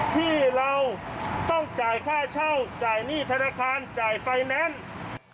ที่เราต้องจ่ายค่าเช่าจ่ายหนี้ธนาคารจ่ายไฟแนนซ์